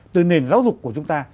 từ nền giáo dục của chúng ta